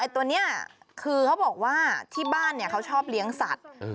อ้ะไอ้ตัวเนี่ยข็อบอกว่าที่บ้านเนี่ยเขาชอบเลี้ยงสัตว์